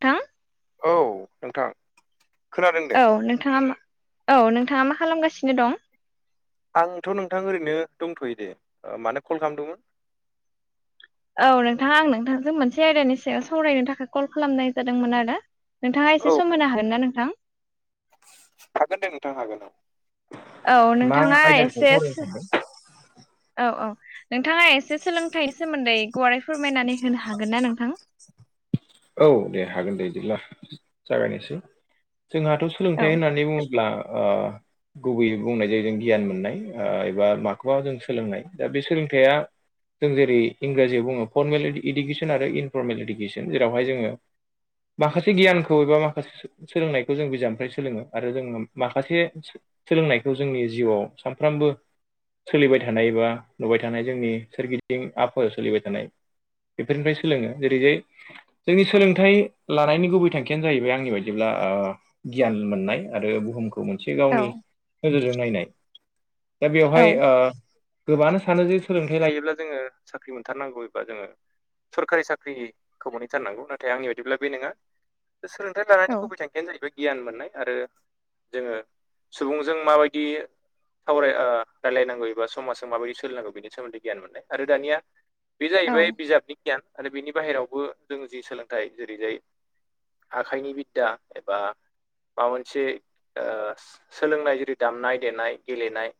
थां औ नोंथां खोनादों दे। औ नोंथांङा मा औ नोंथांङा मा खालामगासिनो दं? आंथ' नोंथां ओरैनो दंथ'यो दे। ओ मानो कल खालामदोंमोन? औ नोंथां आं नोंथांजों मोनसे आयदानि सायाव सावरायनो थाखाय कल खालामनाय जादोंमोन आरो। नोंथांङा औ एसे सम होनो हागोन ना नोंथां? हागोन दे नोंथां हागोन औ। औ मा नोंथांङा आयदानि सायाव एसे सावरायनो सानदों औ औ नोंथांङा एसे सोलोंथाइनि सोमोन्दै गुवारै फोरमायनानै होनो हागोन ना नोंथां? औ दे हागोन दे इदिब्ला जागायनोसै जोंहाथ' औ सोलोंथाइ होननानै बुङोब्ला आ गुबैयै बुंनाय जायो जों गियान मोननाय ओ एबा माखौबा जों सोलोंनाय दा बे सोलोंथाइया जों जेरै इंराजियाव बुङो फरमेल इडुकेसन आरो इनफरमेल इडुकेसन जेरावहाय जोङो माखासे गियानखौ एबा माखासे सोलोंनायखौ जों बिजाबनिफ्राय सोलोङो आरो जों माखासे सोलोंनायखौ जोंनि जिउआव सामफ्रोमबो सोलिबाय थानाय बा नुबाय थानाय जोंनि सोरगिदिं आबहावायाव सोलिबाय थानाय बेफोरनिफ्राय सोलोङो जेरैजाय जोंनि सोलोंथाइ लानायनि गुबै थांखियानो जाहैबाय आंनि बायदिब्ला ओ गियान मोननाय आरो बुहुम खौ मोनसे औ गावनि नोजोरजों नायनाय दा औ बेवहाय ओ गोबाङानो सानो जे सोलोंथाइ लायोब्ला जोङो साख्रि मोनथारनांगौ एबा जोङो सरखारि साख्रि खौ मोनहैथारनांगौ नाथाय आंनि बायदिब्ला बे नङा सोलोंथाइ लानायनि औ गुबै थांखि बेनो जाहैबाय गियान मोननाय आरो जोङो सुबुंजों माबायदि सावराय ओ रायलायनांगौ एबा समाजजों माबायदि सोलिनांगौ बेनि सोमोन्दै गियान मोननाय आरो दानिया बे औ जाहैबाय बिजाबनि गियान आरो बिनि बाहेरावबो जों जि सोलोंथाइ जेरैजाय आखाइनि बिद्दा एबा माबा मोनसे ओ सोलोंनाय जेरै दामनाय देनाय, गेलेनाय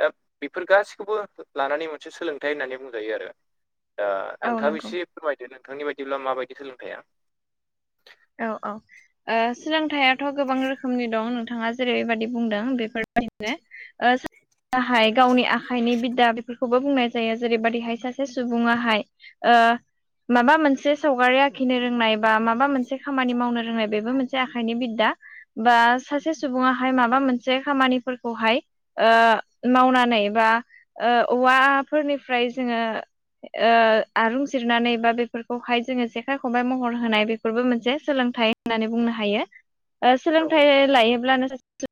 दा बेफोर गासैखौबो लानानै मोनसे सोलोंथाइ होननानै बुंजायो आरो। ओ औ नोंथांङाबो नंगौ एसे फोरमायदो नोंथांनि बायदिब्ला माबायदि सोलोंथाया? औ औ ओ सोलोंथाइआथ' गोबां रोखोमनि दं नोंथाङा जेरैबायदि बुंदों बेफोरबायदिनो ओ [inaudible] हाय गावनि आखाइनि बिददा बेफोर खौबो बुंनाय जायो जेरैबायदिहाय सासे सुबुंङाहाय ओ माबा मोनसे सावगारि आखिनो रोंनाय बा माबा मोनसे खामानि मावनो रोंनाय बेबो मोनसे आखाइनि बिद्दा बा सासे सुबुंङाहाय माबा मोनसे खामानिफोरखौहाय ओ मावनानै बा ओ औवाफोरनिफ्राय जोङो ओक्षआरुं जिरनानै बा बेफोरखौहाय जोंङो जेखाइ खंबाय महर होनाय बेफोरबो मोनसे सोलोंथाइ होननानै बुंनो हायो औ सोलोंथाइ लायोब्लानो सासे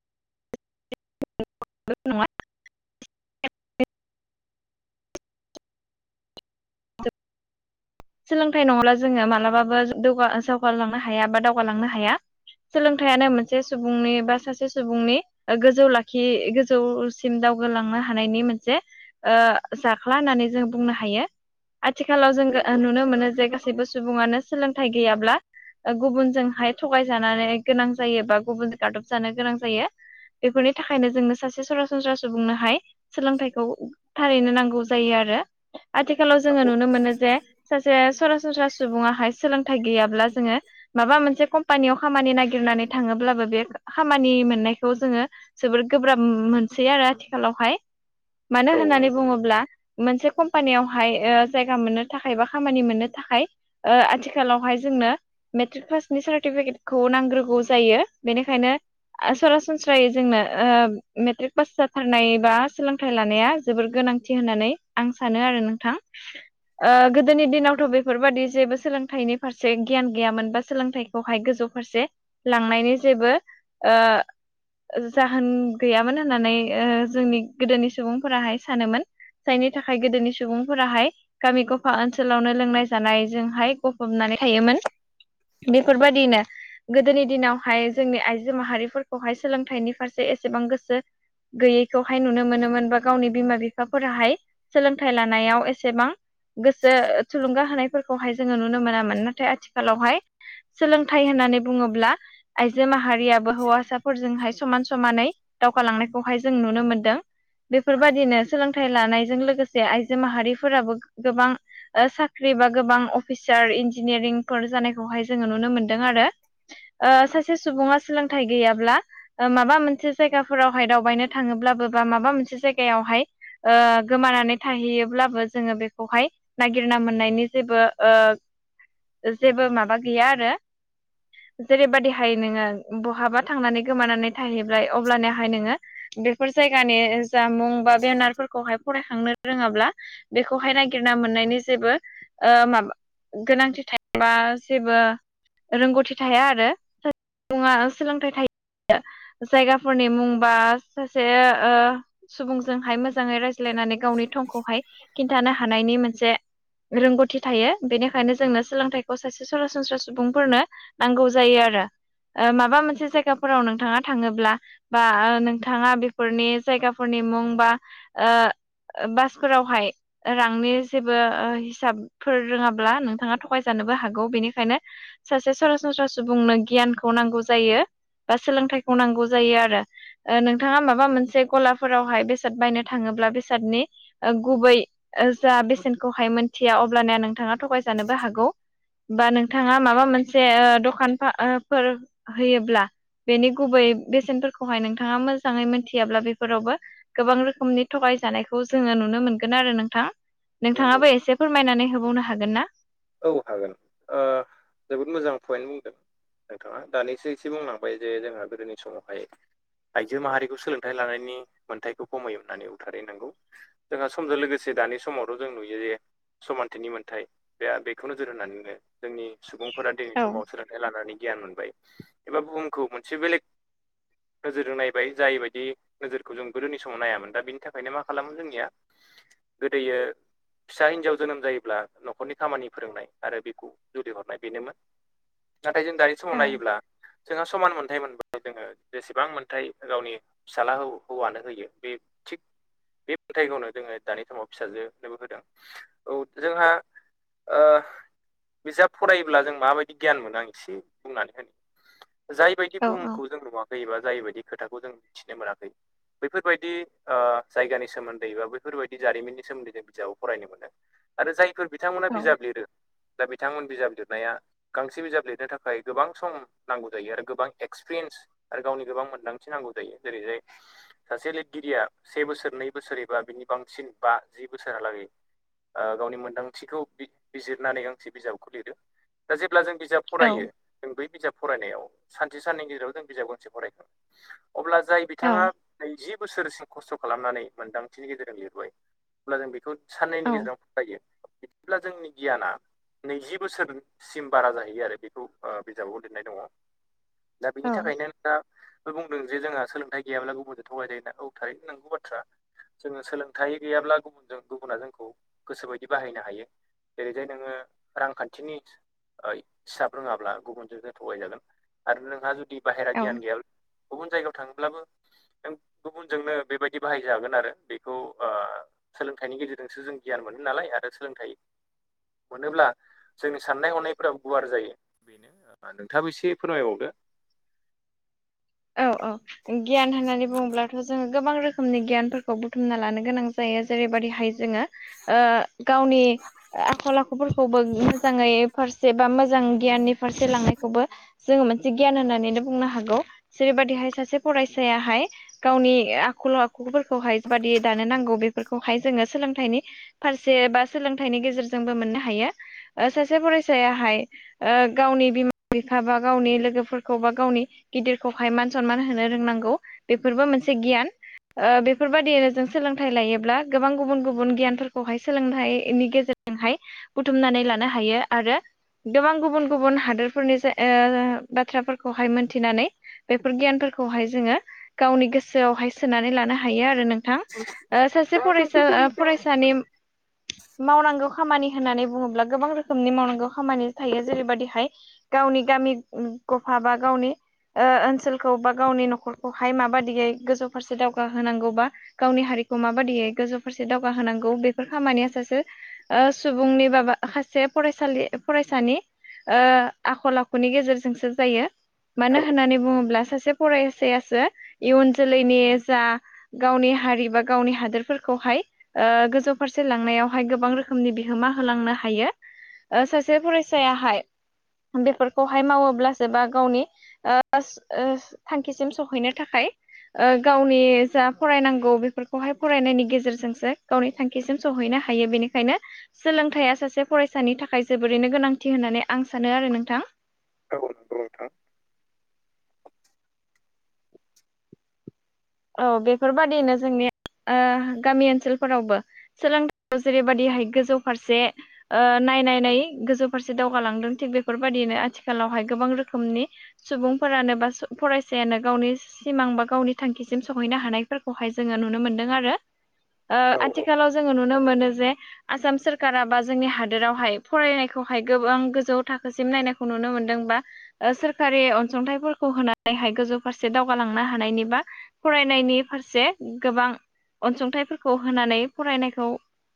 [inaudible] [inaudible] [inaudible] [unintelligible] सोलोंथाइ नङाब्ला जोङो मालाबाबो दौगा जौगालांनो हाया बा दावगालांनो हाया। सोलोंथाइयानो मोनसे सुबुंनि बा सासे सुबुंनि गोजौ लाखि गोजौसिम दावगालांनो हानायनि मोनसे ओ जाख्ला होननानै जों बुंनो हायो। आथिखालाव जोङो नंगौ नुनो मोनो जे गासैबो सुबुङानो सोलोंथाइ गैयाब्ला ओ गुबुनजोंहाय थगायजानानै गोनां जायो बा गुबुनजों गादब जानो गोनां जायो। बेफोरनि थाखायनो जोङो सासे सरासनस्रा सुबुंनोहाय सोलोंथाइखौ थारैनो नांगौ जायो आरो आथिखालाव जोङो नुनो मोनो जे सासे सरासनस्रा सुबुङाहाय सोलोंथाइ गैयाब्ला जोङो माबा मोनसे कम्पानियाव खामानि नागिरनानै थाङोब्लाबो बे खामानि मोननायखौ जोङो जोबोर गोब्राब मोनसै आरो आथिखालावहाय मानो औ होननानै नंगौ बुङोब्ला मोनसे कम्पानियाव हाय ओ जायगा मोननो थाखाय बा खामानि मोननो थाखाय ओ आथिखालावहाय जोंनो मेट्रिक पासनि सार्टिफिकेटखौ नांग्रोगौ जायो बेनिखायनो सरासनस्रायै जोंनो ओ मेट्रिक पास जाथारनाय बा सोलोंथाइ लानाया जोबोर गोनां बिदि होननानै आं सानो आरो नोंथां। ओ गोदोनि दिनावथ' बेफोरबादि जेबो सोलोंथाइनि फारसे गियान गैयामोन बा सोलोंथाइ खौहाय गोजौ फारसे लांनायनि जेबो ओ जाहोन गैयामोन होननानै ओ जोंनि गोदोनि सुबुंफोराहाय सानोमोन। जायनि थाखाय गोदोनि सुबुंफोराहाय गामि गफा ओनसोलावनो लोंनाय जानायजोंहाय गफबनानै थायोमोन। बेफोरबादिनो गोदोनि दिनावहाय जोंनि आइजो माहारिफोरखौहाय सोलोंथाइनि फारसे एसेबां गोसो गैयैखौहाय नुनो मोनोमोन बा गावनि बिमा बिफाफोराहाय थाइ लानायाव एसेबां गोसो थुलुंगा होनाय फोरखौहाय जोङो नुनो मोनामोन नाथाय आथिखालावहाय सोलोंथाइ होननानै बुङोब्ला आइजो माहारियाबो हौवासाफोरजोंहाय समान समानै दावगालांनायखौहाय जों नुनो मोनदों। बेफोरबायदिनो सोलोंथाइ लानायजों लोगोसे आइजो माहारिफोराबो गोबां ओ साख्रि बा गोबां अफिसार इन्जिनियारिंफोर जानायखौहाय जोङो नुनो मोनदों आरो। ओ सासे सुबुङा सोलोंथाइ गैयाब्ला ओ माबा मोनसे जायगाफोरावहाय दावबायनो थाङोब्लाबो बा माबा मोनसे जायगायावहाय ओ गोमानानै थाहैयोब्लाबो जोङो बेखौहाय नागिरना मोननायनि जेबो ओ जेबो माबा गैया आरो जेरैबायदिहाय नोङो बहाबा थांनानै गोमानानै थाहैबाय अबब्लानियाहाय नोङो बेफोर जायगानि जामुं बा बेनारफोर खौहाय फरायखांनो रोङाब्ला बेखौहाय नागिरना मोननायनि जेबो ओ माबा गोनांथि थायोबा जेबो रोंगौथि थाया आरो‌ सासे सुबुङा सोलोंथाइ थायो जायगाफोरनि मुं बा सासे‌ ओ सुबुंजोंहाय मोजाङै रायज्लायनानै गावनि थंखौहाय खिन्थानो हानायनि मोनसे रोंगौथि थायो बेनिखायनो जोंनो सोलोंथाइखौ सासे सरासनस्रा सुबुंफोरनो नांगौ जायो आरो ओ माबा मोनसे जायगाफोराव नोंथाङा थाङोब्ला बा नोंथाङा बेफोरनि जायगाफोरनि मुं बा ओ बासफोरावहाय रांनि जेबो हिसाबफोर रोङाब्ला नोंथाङा थगायजानोबो हागौ बेनिखायनो सासे सरासनस्रा सुबुंनो गियानखौ नांगौ जायो। बा सोलोंथाइखौ नांगौ जायो आरो। ओ नोंथाङा माबा मोनसे गलाफोरावहाय बेसाद बायनो थाङोब्ला बे बसादनि ओ गुबै जा बेसेनखौहाय मोनथिया अब्लानिया नोंथाङा थगायजानोबो हागौ, बा नोंथाङा माबा मोनसे ओ दखानफोर होयोब्ला बेनि गुबै बेसेनफोरखौहाय नोंथाङा मोजाङै मोनथियाब्ला बेफोरावबो गोबां रोखोमनि थगाय जानायखौ जोङो नुनो मोनगोन आरो नोंथां नंगौ नोंथाङाबो एसे फोरमायनानै होबावनो हागोन ना? औ हागोन ओ जोबोद मोजां पइन्ट बुंदों नोंथाङा। दानिसो एसे बुंलांबाय जे जोंहा गोदोनि समावहाय आइजो माहारिखौ सोलोंथाइ लानायनि मोन्थायखौ खमै होननानै [unintelligible] जोंहा समजों लोगोसे दानि समावथ' जों नुयो जे समानथिनि मोन्थाय। बे आ बेखौ नोजोर होनानैनो जोंनि सुबुंफोरा दिनै औ समाव सोलों थाइ लानानै गियान मोनबाय एबा बुहुमखौ मोनसे बेलेग नोजोर होनायबाय जायबायदि नोजोरखौ जों गोदोनि समाव नायामोन दा बिनि थाखायनो मा खालामो जोंनिया गोदोयो फिसा हिनजाव जोनोम जायोब्ला न'खरनि खामानि फोरोंनाय आरो बेखौ जुलि हरनाय बेनोमोन नाथाय जों दानि समाव औ नायोब्ला जोंहा समान मोन्थाय मोनबाय जोङो जेसेबां मोनथाय गावनि फिसाला हौवानो होयो बे थिग बे मोनन्थाइखौनो जोङो दानि समाव फिसाजो नोबो होदों औ जोंहा ओ बिजाब फरायोब्ला जों माबायदि गियान मोनो आं एसे बुंनानै होनो। जाय बायदि औ बुहुमखौ जों नुवाखै एबा जाय बायदि खोथाखौ जों मिथिनो मोनाखै बैफोरबायदि ओ जायगानि सोमोन्दै बा बैफोरबायदि जारिमिननि सोमोन्दै जों बिजाबाव फरायनो मोनो। आरो जायफोर बिथांमोना औ बिजाब लिरो दा बिथांमोन बिजाब लिरनाया गांसे बिजाब लिरनो थाखाय गोबां सम नांगौ जायो आरो गोबां एक्सपिरियेन्स आरो गावनि गोबां मोनदांथि नांगौ जायो जेरै जाय सासे लिरगिरिया से बोसोर नै बोसोर एबा बिनि बांसिन बा जि बोसोरहालागै ओ गावनि मोन्दांथिखौ बिज बिजिरनानै गांसे बिजाबखौ लिरो दा जेब्ला जों बिजाब औ फरायो जों बै बिजाब फरायनायाव सानसे साननि गेजेराव जों बिजाब गंसे फरायगोन। अब्ला जाय बिथाङा औ नैजि बोसोरसिम खस्थ' खालामनानै मोनदांथिनि गेजेरजों लिरबाय अब्ला जों बेखौ साननैनि औ गेजेरावनो फरायो। अब्ला जोंनि गियाना नैजि बोसोरसिम बारा जाहैयो आरो बेखौ ओ बिजाबाव लिरनाय दङ। दा बिनि औ थाखायनो दा बुंदों जे जोंहा सोलोंथाइ गैयाब्ला गुबुनजों थगाय जायो होनना औ थारै नंगौ बाथ्रा। जोङो सोलोंथाइ गैयाब्ला गुबुनजों गुबुना जोंखौ गोसोबायदि बाहायनो हायो। जेरैजाय नोङो रांखान्थिनि हिसाब रोङाब्ला गुबुनजों जों थगायजागोन आरो नोंहा जुदि बाहेरा औ गियान गैयाब्ला गुबुन जायगायाव थाङोब्लाबो नों गुबुनजोंनो बेबायदि बाहायजागोन आरो बेखौ ओ सोलोंथाइनि गेजेरजोंसो जों गियान मोनो नालाय आरो सोलोंथाइ मोनोब्ला जोंनि साननाय हनायफोरा गुवार जायो बेनो नोंथाङाबो एसे फोरमायबावदो। औ औ गियान होननानै बुङोब्ला थ जोङो गोबां रोखोमनि गियानफोरखौ बुथुमना लानो गोनां जायो जेरैबायदि हाइ जोङो ओ गावनि आखल आखुफोरखौबो मोजाङै फार से बा मोजां गियाननि फारसे लांनायखौबो जोङो मोनसे गियान होननानैनो बुंनो हागौ जेरैबायादिहाय सासे फरायसायाहाय गावनि आखल आखुफोरखौहाय बेबादि दानो नांगौ बेफोरखौहाय जोङो सोलोंथाइनि फारसे बा सोलोंथाइनि गेजेरजोंबो मोननो हायो सासे फरायसायाहाय ओ गावनि बिमा बिफा बा गावनि लोगोफोरखौ बा गावनि गिदिर सहाय मान सनमान होनो रोंनांगौ बेफोरबो मोनसे गियान। ओ बेफोरबायदियैनो जों सोलोंथाइ लायोब्ला गोबां गुबुन गुबुन गियानफोरखौहाय सोलोंथाइनि गेजेर जोंहाय बुथुमनानै लानो हायो आरो गोबां गुबुन गुबुन हादोरफोरनि ओ बाथ्राफोरखौहाय मोनथिनानै बेफोर गियानफोरखौहाय जोङो गावनि गोसोआवहाय सोनानै लानो हायो आरो नों थां ओ सासे फरायसा फरायसानि मावनांगौ खामानि होननानै बुङोब्ला गोबां रोखोमनि मावनांगौ खामानि थायो जेरैबादिहाय गावनि गामि गफा बा गावनि ओ ओनसोलखौ बा गावनि न'खरखौहाय माबादियै गोजौ फारसे दावगाहोनांगौ बा गावनि हारिखौ माबादियै गोजौ फारसे दावगाहोनांगौ बेफोर खामानिया सासे सुबुंनि बाबा खासे फरायसालि फरायसानि ओ आखल आखुनि गेजेरजोंसो जायो मानो औ होननानै बुङोब्ला सासे फरायसायासो इयुन जोलैनि जा गावनि हारि बा गावनि हादोरफोरखौहाय ओ गोजौ फारसे लांनायावहाय गोबां रोखोमनि बिहोमा होलांनो हायो ओ सासे फरायसायाहाय बेफोरखौहाय मावोब्लासो बा गावनि ओ थांखिसिम सहैनो थाखाय ओ गावनि जा फरायनांगौ बेफोरखौहाय फरायनायनि गेजेरजोंसो गावनि थांखिसिम सहैनो हायो बेनिखायनो सोलोंथाइया सासे फरायसानि थाखाय जोबोरैनो गोनांथि होननानै आं सानो आरो नोंथां औ नोंगौ नोंथां औ बेफोरबादिनो जोंनि ओ गामि ओनसोलफोरावबो सोलोंथायाव जेरैबायदिहाय गोजौ फारसे ओ नायनाय नायै गोजौ फारसे दावगालांदों थिग बेफोरबायदियैनो आथिखालावहाय गोबां रोखोमनि सुबुंफोरानो बा फरायसायानो गावनि सिमां बा गावनि थांखि सिम सहैनो हानायफोरखौहाय जोङो नुनो मोनदों आरो ओ औ आथिखालाव जोङो नु नो मोनो जे आसाम सोरखारा बा जोंनि हादोरावहाय फरायनायख खौहाय गोबां गोजौ थाखोसिम नायनायखौ नुनो मोनदोंबा ओ सोरखारि अनसुंथाइफोरखौ होनानैहाय गोजौ फारसे दावगालांनो हानायनिबा फरायनायनि फारसे गोबां अनसुंथाइफोरखौ होनानै फरायनायखौ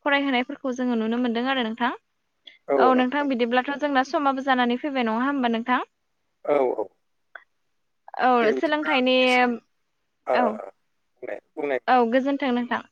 फरायहोनायफोरखौ जोङो नुनो मोनदों आरो नोंथां औ नोंथां बिदिब्लाथ' जोंना समाबो जानानै फैबाय नङा होमबा नोंथां? औ औ औ सोलोंथाइनि आं औ आं बुंनाय बुंनाय औ नोंथां गोजोन्थों नोंथां